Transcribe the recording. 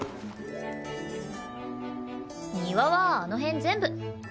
庭はあの辺全部。